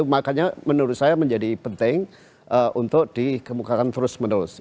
makanya menurut saya menjadi penting untuk dikemukakan terus menerus